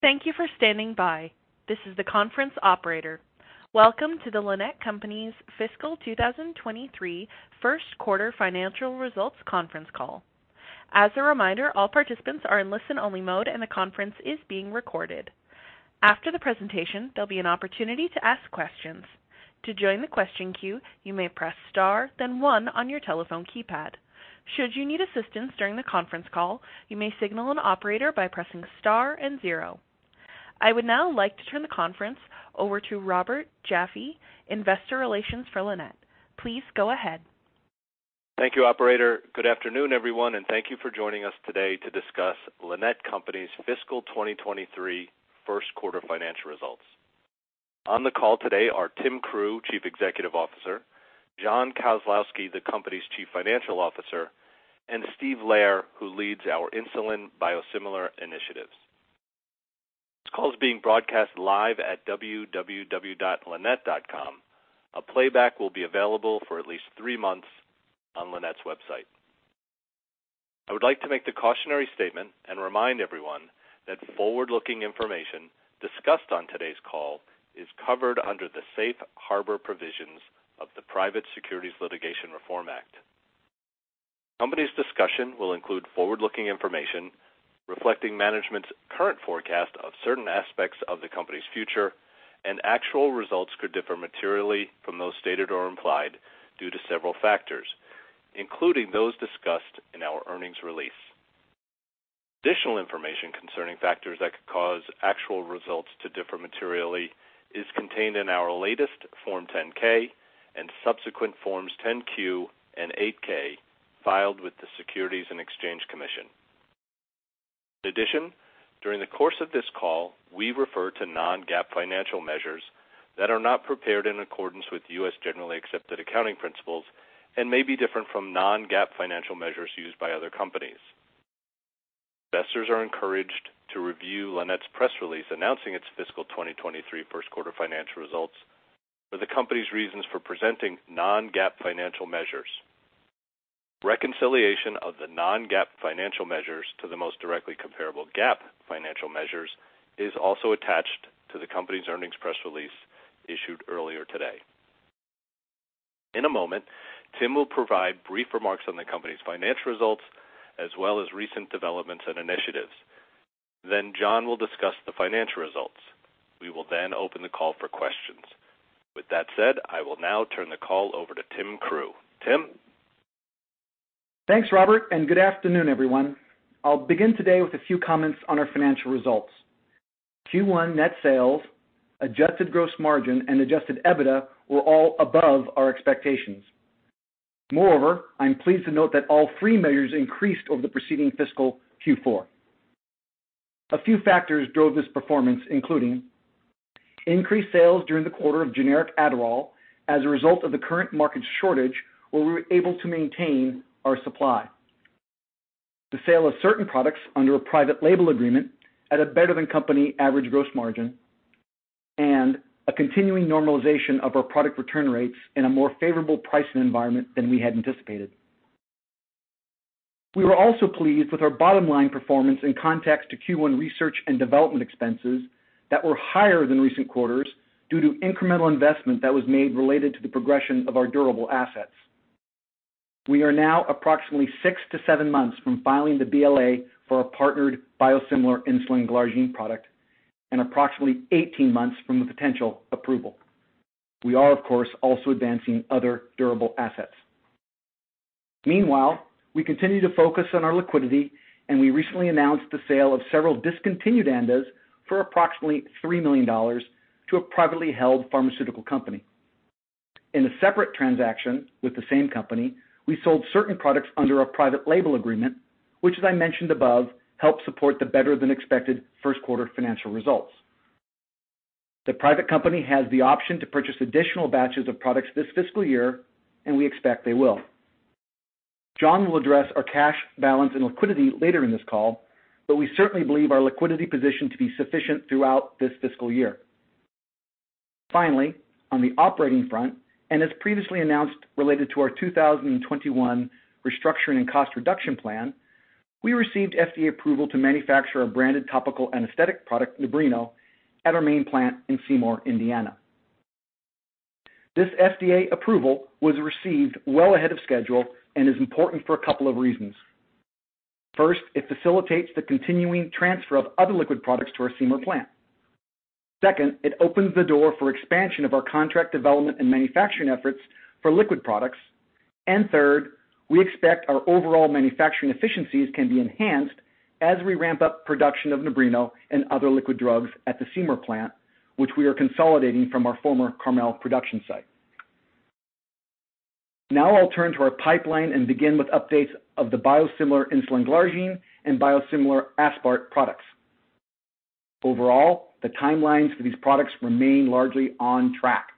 Thank you for standing by. This is the conference operator. Welcome to the Lannett Company's fiscal 2023 first quarter financial results conference call. As a reminder, all participants are in listen-only mode, and the conference is being recorded. After the presentation, there'll be an opportunity to ask questions. To join the question queue, you may press star, then one on your telephone keypad. Should you need assistance during the conference call, you may signal an operator by pressing star and zero. I would now like to turn the conference over to Robert Jaffe, Investor Relations for Lannett. Please go ahead. Thank you, operator. Good afternoon, everyone, and thank you for joining us today to discuss Lannett Company's fiscal 2023 first quarter financial results. On the call today are Tim Crew, Chief Executive Officer, John Kozlowski, the Company's Chief Financial Officer, and Steve Lehrer, who leads our insulin biosimilar initiatives. This call is being broadcast live at www.lannett.com. A playback will be available for at least three months on Lannett's website. I would like to make the cautionary statement and remind everyone that forward-looking information discussed on today's call is covered under the safe harbor provisions of the Private Securities Litigation Reform Act. The company's discussion will include forward-looking information reflecting management's current forecast of certain aspects of the company's future, and actual results could differ materially from those stated or implied due to several factors, including those discussed in our earnings release. Additional information concerning factors that could cause actual results to differ materially is contained in our latest Form 10-K and subsequent Forms 10-Q and 8-K filed with the Securities and Exchange Commission. In addition, during the course of this call, we refer to non-GAAP financial measures that are not prepared in accordance with U.S. generally accepted accounting principles and may be different from non-GAAP financial measures used by other companies. Investors are encouraged to review Lannett's press release announcing its fiscal 2023 first quarter financial results for the company's reasons for presenting non-GAAP financial measures. Reconciliation of the non-GAAP financial measures to the most directly comparable GAAP financial measures is also attached to the company's earnings press release issued earlier today. In a moment, Tim will provide brief remarks on the company's financial results, as well as recent developments and initiatives. Then John will discuss the financial results. We will then open the call for questions. With that said, I will now turn the call over to Tim Crew. Tim. Thanks, Robert, and good afternoon, everyone. I'll begin today with a few comments on our financial results. Q1 net sales, adjusted gross margin, and adjusted EBITDA were all above our expectations. Moreover, I'm pleased to note that all three measures increased over the preceding fiscal Q4. A few factors drove this performance, including increased sales during the quarter of generic Adderall as a result of the current market shortage, where we were able to maintain our supply. The sale of certain products under a private label agreement at a better-than-company average gross margin and a continuing normalization of our product return rates in a more favorable pricing environment than we had anticipated. We were also pleased with our bottom-line performance in context to Q1 research and development expenses that were higher than recent quarters due to incremental investment that was made related to the progression of our durable assets. We are now approximately 6-7 months from filing the BLA for our partnered biosimilar insulin glargine product and approximately 18 months from the potential approval. We are, of course, also advancing other durable assets. Meanwhile, we continue to focus on our liquidity, and we recently announced the sale of several discontinued ANDAs for approximately $3 million to a privately held pharmaceutical company. In a separate transaction with the same company, we sold certain products under a private label agreement, which, as I mentioned above, helped support the better-than-expected first quarter financial results. The private company has the option to purchase additional batches of products this fiscal year, and we expect they will. John will address our cash balance and liquidity later in this call, but we certainly believe our liquidity position to be sufficient throughout this fiscal year. Finally, on the operating front and as previously announced, related to our 2021 restructuring and cost reduction plan, we received FDA approval to manufacture our branded topical anesthetic product, NUMBRINO, at our main plant in Seymour, Indiana. This FDA approval was received well ahead of schedule and is important for a couple of reasons. First, it facilitates the continuing transfer of other liquid products to our Seymour plant. Second, it opens the door for expansion of our contract development and manufacturing efforts for liquid products. Third, we expect our overall manufacturing efficiencies can be enhanced as we ramp up production of NUMBRINO and other liquid drugs at the Seymour plant, which we are consolidating from our former Carmel production site. Now I'll turn to our pipeline and begin with updates of the biosimilar insulin glargine and biosimilar insulin aspart products. Overall, the timelines for these products remain largely on track.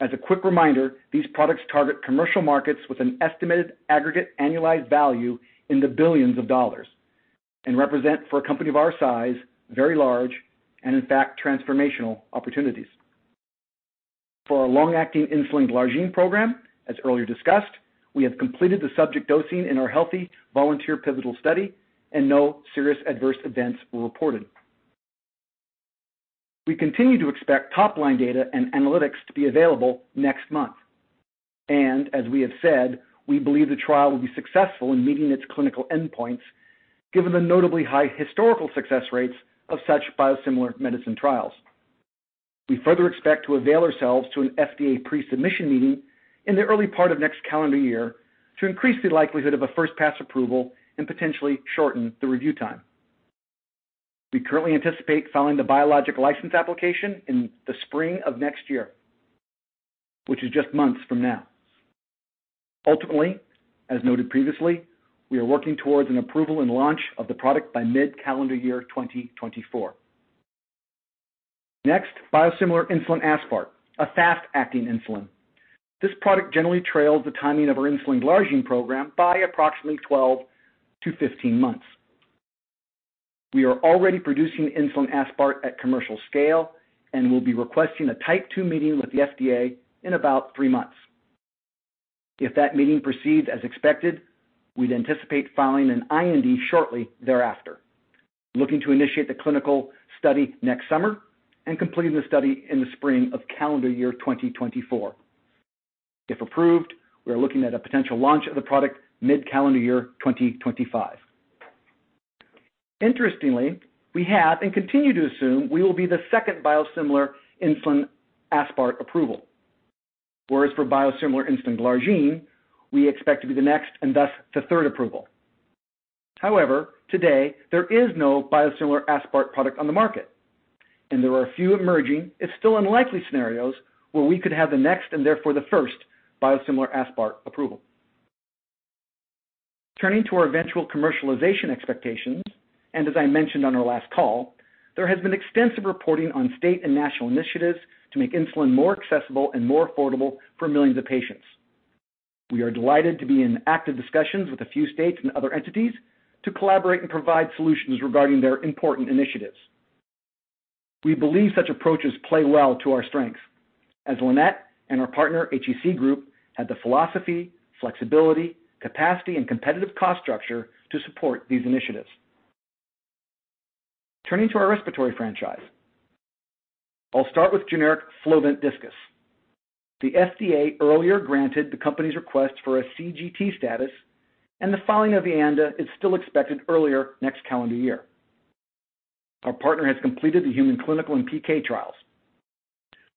As a quick reminder, these products target commercial markets with an estimated aggregate annualized value in the billions of dollars and represent, for a company of our size, very large and in fact transformational opportunities. For our long-acting insulin glargine program, as earlier discussed, we have completed the subject dosing in our healthy volunteer pivotal study and no serious adverse events were reported. We continue to expect top-line data and analytics to be available next month, and as we have said, we believe the trial will be successful in meeting its clinical endpoints, given the notably high historical success rates of such biosimilar medicine trials. We further expect to avail ourselves to an FDA pre-submission meeting in the early part of next calendar year to increase the likelihood of a first pass approval and potentially shorten the review time. We currently anticipate filing the Biologics License Application in the spring of next year, which is just months from now. Ultimately, as noted previously, we are working towards an approval and launch of the product by mid-calendar year 2024. Next, biosimilar insulin aspart, a fast-acting insulin. This product generally trails the timing of our insulin glargine program by approximately 12-15 months. We are already producing insulin aspart at commercial scale and will be requesting a Type B meeting with the FDA in about three months. If that meeting proceeds as expected, we'd anticipate filing an IND shortly thereafter. Looking to initiate the clinical study next summer and completing the study in the spring of calendar year 2024. If approved, we are looking at a potential launch of the product mid-calendar year 2025. Interestingly, we have and continue to assume we will be the second biosimilar insulin aspart approval. Whereas for biosimilar insulin glargine, we expect to be the next and thus the third approval. However, today there is no biosimilar aspart product on the market, and there are a few emerging, if still unlikely, scenarios where we could have the next and therefore the first biosimilar aspart approval. Turning to our eventual commercialization expectations, and as I mentioned on our last call, there has been extensive reporting on state and national initiatives to make insulin more accessible and more affordable for millions of patients. We are delighted to be in active discussions with a few states and other entities to collaborate and provide solutions regarding their important initiatives. We believe such approaches play well to our strengths as Lannett and our partner HEC Group have the philosophy, flexibility, capacity, and competitive cost structure to support these initiatives. Turning to our respiratory franchise. I'll start with generic Flovent Diskus. The FDA earlier granted the company's request for a CGT status, and the filing of the ANDA is still expected earlier next calendar year. Our partner has completed the human clinical and PK trials.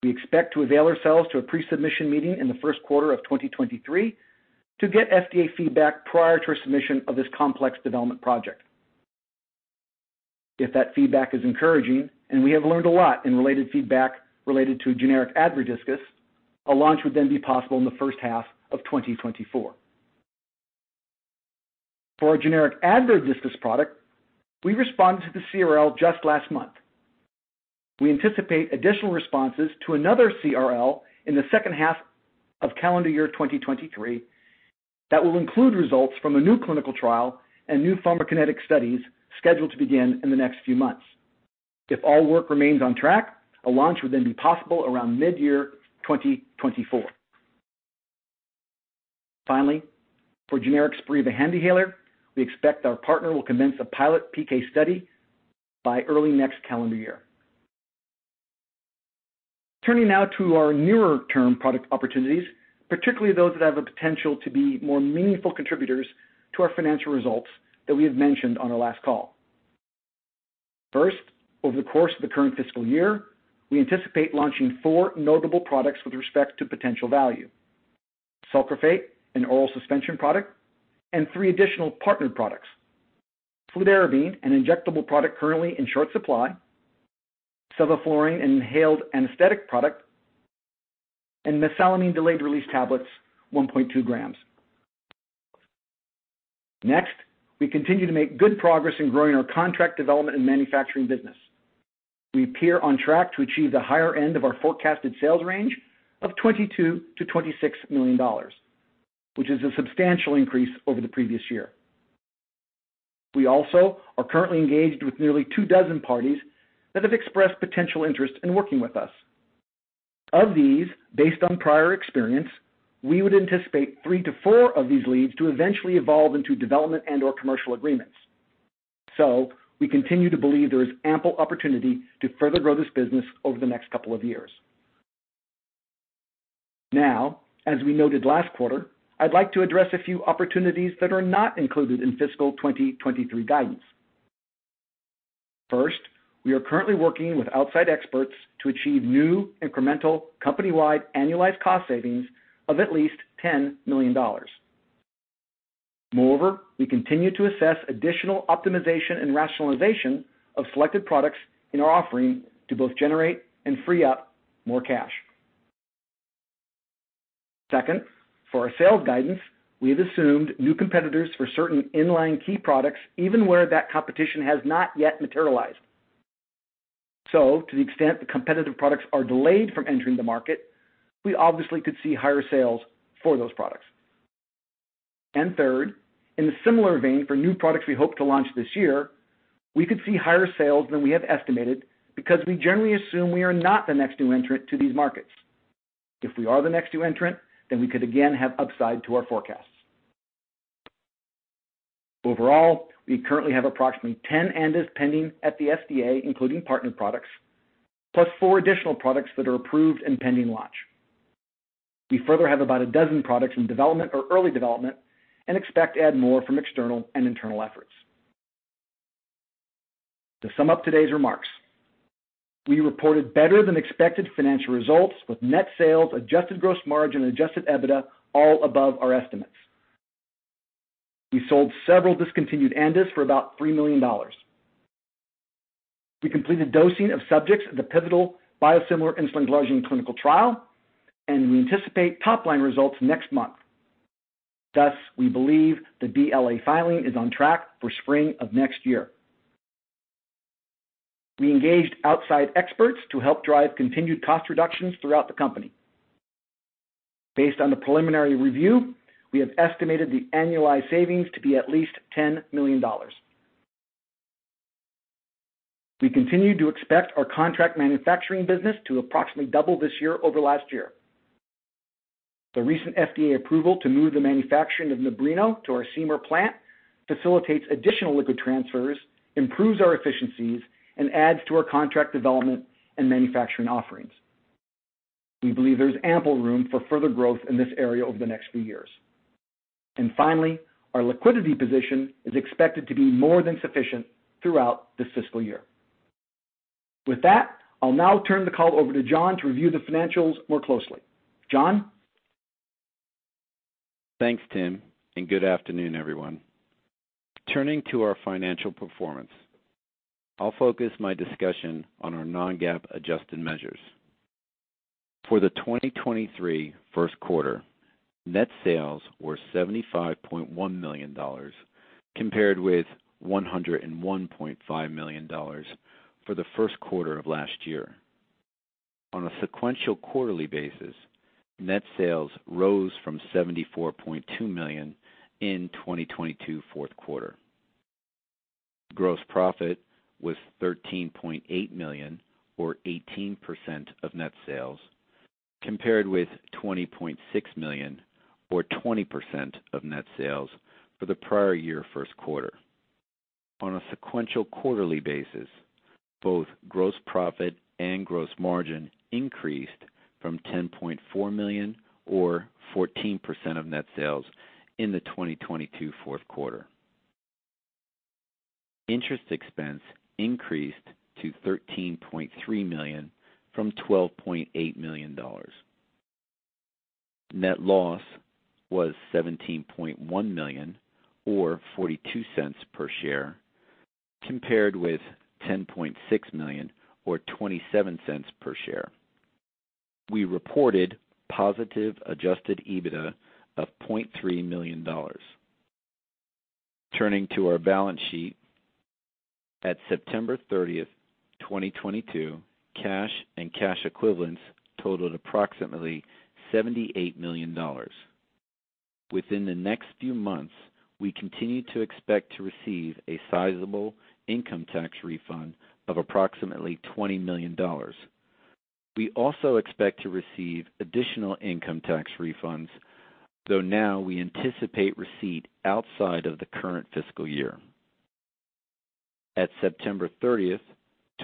We expect to avail ourselves to a pre-submission meeting in the first quarter of 2023 to get FDA feedback prior to resubmission of this complex development project. If that feedback is encouraging, and we have learned a lot in related feedback related to generic Advair Diskus, a launch would then be possible in the first half of 2024. For our generic Advair Diskus product, we responded to the CRL just last month. We anticipate additional responses to another CRL in the second half of calendar year 2023 that will include results from a new clinical trial and new pharmacokinetic studies scheduled to begin in the next few months. If all work remains on track, a launch would then be possible around mid-year 2024. Finally, for generic Spiriva HandiHaler, we expect our partner will commence a pilot PK study by early next calendar year. Turning now to our newer term product opportunities, particularly those that have the potential to be more meaningful contributors to our financial results that we have mentioned on our last call. First, over the course of the current fiscal year, we anticipate launching four notable products with respect to potential value. Sucralfate, an oral suspension product, and three additional partnered products. Fludarabine, an injectable product currently in short supply. Sevoflurane, an inhaled anesthetic product. Mesalamine delayed release tablets 1.2 grams. Next, we continue to make good progress in growing our contract development and manufacturing business. We appear on track to achieve the higher end of our forecasted sales range of $22 million-$26 million, which is a substantial increase over the previous year. We also are currently engaged with nearly two dozen parties that have expressed potential interest in working with us. Of these, based on prior experience, we would anticipate 3-4 of these leads to eventually evolve into development and/or commercial agreements. We continue to believe there is ample opportunity to further grow this business over the next couple of years. Now, as we noted last quarter, I'd like to address a few opportunities that are not included in fiscal 2023 guidance. First, we are currently working with outside experts to achieve new, incremental, company-wide annualized cost savings of at least $10 million. Moreover, we continue to assess additional optimization and rationalization of selected products in our offering to both generate and free up more cash. Second, for our sales guidance, we have assumed new competitors for certain in-line key products, even where that competition has not yet materialized. To the extent the competitive products are delayed from entering the market, we obviously could see higher sales for those products. Third, in a similar vein for new products we hope to launch this year, we could see higher sales than we have estimated because we generally assume we are not the next new entrant to these markets. If we are the next new entrant, then we could again have upside to our forecasts. Overall, we currently have approximately 10 ANDAs pending at the FDA, including partner products, plus four additional products that are approved and pending launch. We further have about 12 products in development or early development and expect to add more from external and internal efforts. To sum up today's remarks, we reported better than expected financial results with net sales, adjusted gross margin, adjusted EBITDA all above our estimates. We sold several discontinued ANDAs for about $3 million. We completed dosing of subjects at the pivotal biosimilar insulin glargine clinical trial, and we anticipate top line results next month. Thus, we believe the BLA filing is on track for spring of next year. We engaged outside experts to help drive continued cost reductions throughout the company. Based on the preliminary review, we have estimated the annualized savings to be at least $10 million. We continue to expect our contract manufacturing business to approximately double this year over last year. The recent FDA approval to move the manufacturing of NUMBRINO to our Seymour plant facilitates additional liquid transfers, improves our efficiencies, and adds to our contract development and manufacturing offerings. We believe there's ample room for further growth in this area over the next few years. Finally, our liquidity position is expected to be more than sufficient throughout this fiscal year. With that, I'll now turn the call over to John to review the financials more closely. John. Thanks, Tim, and good afternoon, everyone. Turning to our financial performance, I'll focus my discussion on our non-GAAP adjusted measures. For the 2023 first quarter, net sales were $75.1 million, compared with $101.5 million for the first quarter of last year. On a sequential quarterly basis, net sales rose from $74.2 million in 2022 fourth quarter. Gross profit was $13.8 million or 18% of net sales, compared with $20.6 million or 20% of net sales for the prior year first quarter. On a sequential quarterly basis, both gross profit and gross margin increased from $10.4 million or 14% of net sales in the 2022 fourth quarter. Interest expense increased to $13.3 million from $12.8 million. Net loss was $17.1 million or $0.42 per share, compared with $10.6 million or $0.27 per share. We reported positive adjusted EBITDA of $0.3 million. Turning to our balance sheet, at September 30, 2022, cash and cash equivalents totaled approximately $78 million. Within the next few months, we continue to expect to receive a sizable income tax refund of approximately $20 million. We also expect to receive additional income tax refunds, though now we anticipate receipt outside of the current fiscal year. At September 30,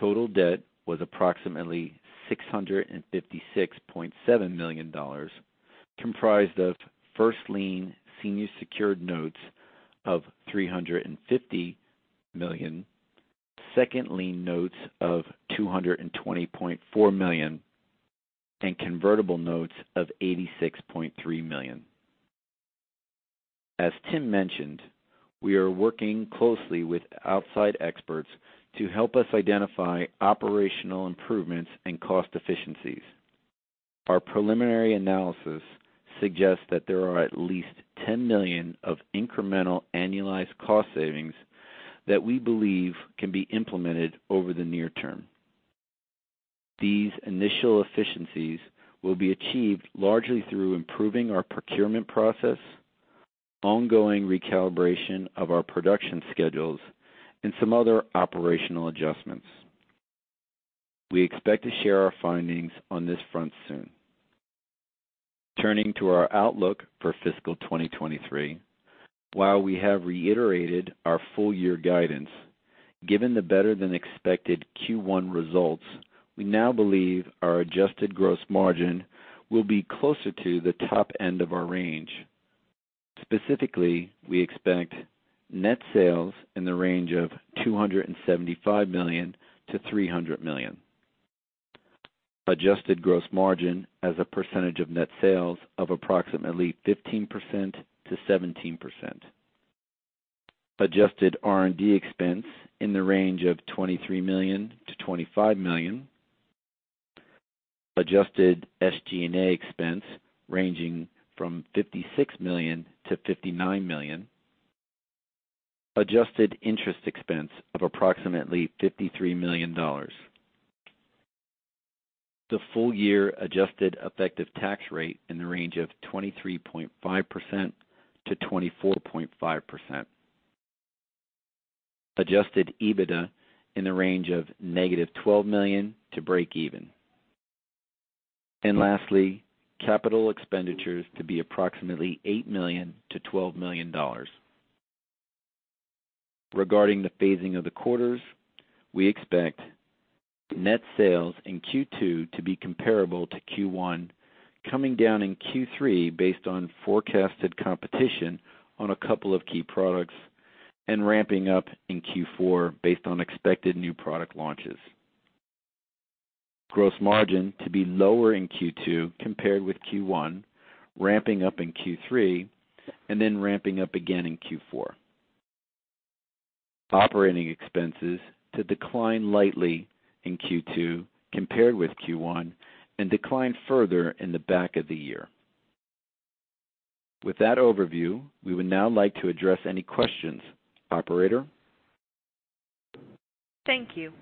total debt was approximately $656.7 million, comprised of first lien senior secured notes of $350 million, second lien notes of $220.4 million, and convertible notes of $86.3 million. As Tim mentioned, we are working closely with outside experts to help us identify operational improvements and cost efficiencies. Our preliminary analysis suggests that there are at least $10 million of incremental annualized cost savings that we believe can be implemented over the near term. These initial efficiencies will be achieved largely through improving our procurement process, ongoing recalibration of our production schedules, and some other operational adjustments. We expect to share our findings on this front soon. Turning to our outlook for fiscal 2023, while we have reiterated our full year guidance, given the better than expected Q1 results, we now believe our adjusted gross margin will be closer to the top end of our range. Specifically, we expect net sales in the range of $275 million-$300 million. Adjusted gross margin as a percentage of net sales of approximately 15%-17%. Adjusted R&D expense in the range of $23 million-$25 million. Adjusted SG&A expense ranging from $56 million-$59 million. Adjusted interest expense of approximately $53 million. The full year adjusted effective tax rate in the range of 23.5%-24.5%. Adjusted EBITDA in the range of -$12 million to break even. Lastly, capital expenditures to be approximately $8 million-$12 million. Regarding the phasing of the quarters, we expect net sales in Q2 to be comparable to Q1, coming down in Q3 based on forecasted competition on a couple of key products and ramping up in Q4 based on expected new product launches. Gross margin to be lower in Q2 compared with Q1, ramping up in Q3, and then ramping up again in Q4. Operating expenses to decline lightly in Q2 compared with Q1 and decline further in the back of the year. With that overview, we would now like to address any questions. Operator? Thank you.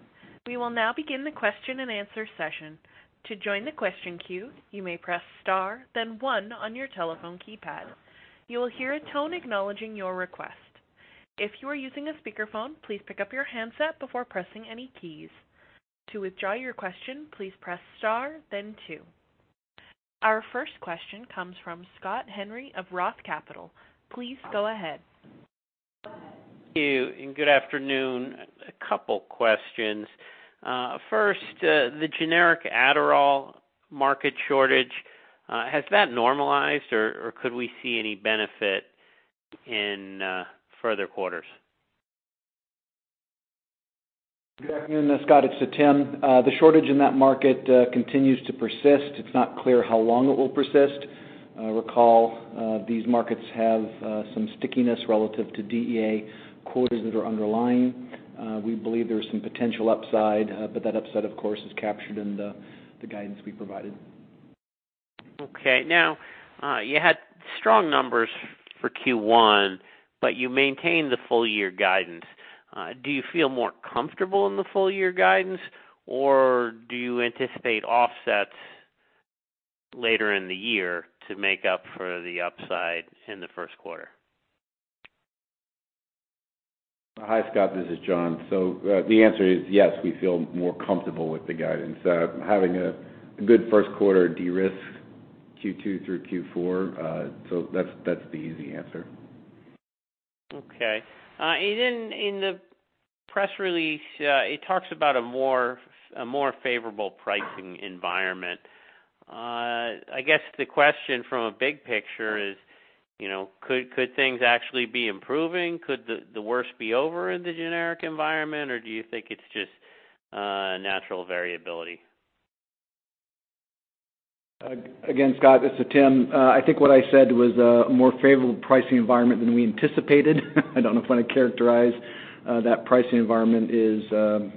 We will now begin the question and answer session. To join the question queue, you may press star, then one on your telephone keypad. You will hear a tone acknowledging your request. If you are using a speakerphone, please pick up your handset before pressing any keys. To withdraw your question, please press star then two. Our first question comes from Scott Henry of Roth Capital. Please go ahead. Thank you, and good afternoon. A couple questions. First, the generic Adderall market shortage, has that normalized or could we see any benefit in further quarters? Good afternoon, Scott. It's Tim. The shortage in that market continues to persist. It's not clear how long it will persist. Recall, these markets have some stickiness relative to DEA quotas that are underlying. We believe there's some potential upside, but that upside, of course, is captured in the guidance we provided. Okay. Now, you had strong numbers for Q1, but you maintained the full-year guidance. Do you feel more comfortable in the full-year guidance, or do you anticipate offsets later in the year to make up for the upside in the first quarter? Hi, Scott. This is John. The answer is yes, we feel more comfortable with the guidance. Having a good first quarter de-risks Q2 through Q4. That's the easy answer. Okay. In the press release, it talks about a more favorable pricing environment. I guess the question from a big picture is, you know, could things actually be improving? Could the worst be over in the generic environment, or do you think it's just natural variability? Again, Scott, this is Tim. I think what I said was a more favorable pricing environment than we anticipated. I don't know if I wanna characterize that pricing environment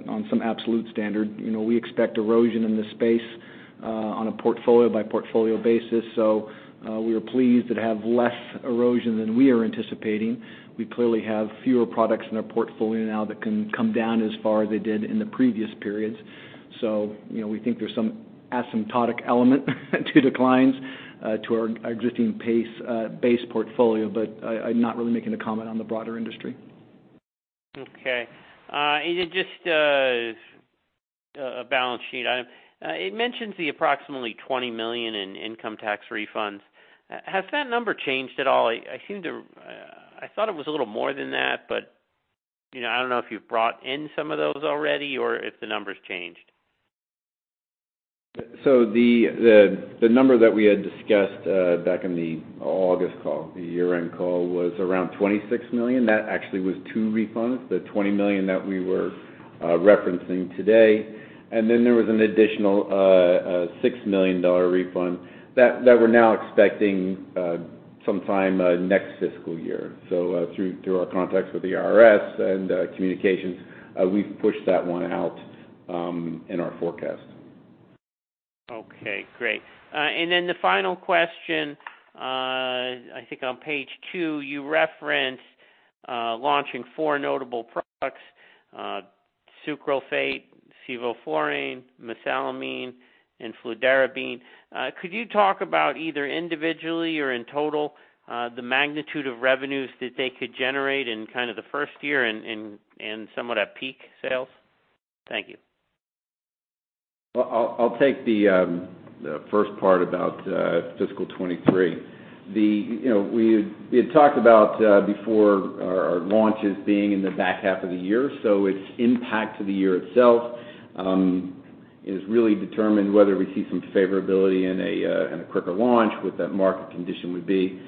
on some absolute standard. You know, we expect erosion in this space on a portfolio by portfolio basis. We are pleased to have less erosion than we are anticipating. We clearly have fewer products in our portfolio now that can come down as far as they did in the previous periods. You know, we think there's some asymptotic element to declines to our existing base portfolio, but I'm not really making a comment on the broader industry. Okay. Just balance sheet item. It mentions the approximately $20 million in income tax refunds. Has that number changed at all? I thought it was a little more than that, but, you know, I don't know if you've brought in some of those already or if the number's changed. The number that we had discussed back in the August call, the year-end call, was around $26 million. That actually was two refunds. The $20 million that we were referencing today, and then there was an additional $6 million refund that we're now expecting sometime next fiscal year. Through our contacts with the IRS and communications, we've pushed that one out in our forecast. Okay, great. The final question, I think on page two, you referenced launching four notable products, Sucralfate, Sevoflurane, Mesalamine, and Fludarabine. Could you talk about either individually or in total, the magnitude of revenues that they could generate in kinda the first year and somewhat at peak sales? Thank you. Well, I'll take the first part about fiscal 2023. You know, we had talked about before our launches being in the back half of the year, so its impact to the year itself is really determined whether we see some favorability in a quicker launch, what that market condition would be.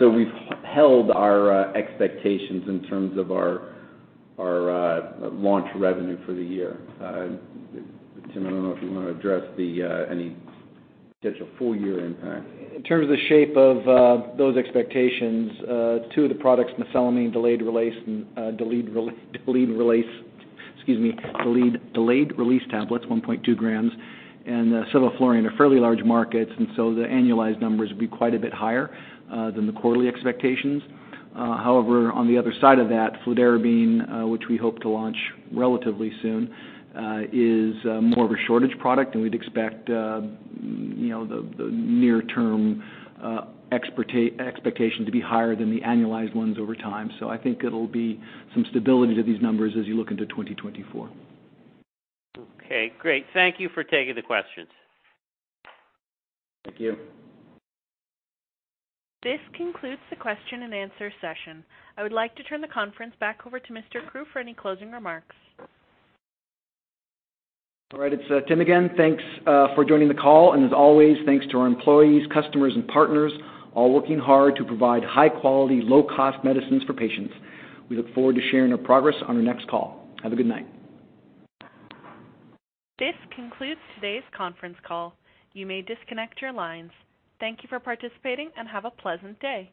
So we've held our expectations in terms of our launch revenue for the year. Tim, I don't know if you wanna address any potential full-year impact. In terms of the shape of those expectations, two of the products, Mesalamine delayed release and delayed release tablets, 1.2 grams, and Sevoflurane are fairly large markets, and so the annualized numbers will be quite a bit higher than the quarterly expectations. However, on the other side of that, Fludarabine, which we hope to launch relatively soon, is more of a shortage product, and we'd expect, you know, the near term expectation to be higher than the annualized ones over time. I think it'll be some stability to these numbers as you look into 2024. Okay, great. Thank you for taking the questions. Thank you. This concludes the question and answer session. I would like to turn the conference back over to Mr. Crew for any closing remarks. All right, it's Tim again. Thanks for joining the call. As always, thanks to our employees, customers, and partners, all working hard to provide high quality, low cost medicines for patients. We look forward to sharing our progress on our next call. Have a good night. This concludes today's conference call. You may disconnect your lines. Thank you for participating, and have a pleasant day.